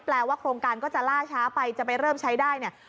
ว่าโครงการก็จะล่าช้าไปจะไปเริ่มใช้ได้เนี่ย